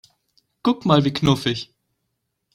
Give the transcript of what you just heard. Guck mal, wie knuffig!